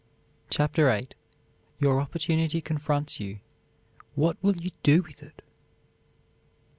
CHAPTER VIII YOUR OPPORTUNITY CONFRONTS YOU WHAT WILL YOU DO WITH IT?